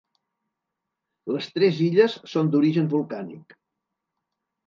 Les tres illes són d'origen volcànic.